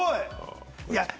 すごい！